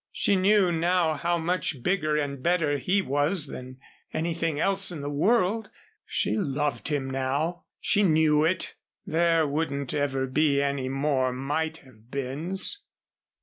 She knew now how much bigger and better he was than anything else in the world. She loved him now. She knew it. There wouldn't ever be any more might have beens.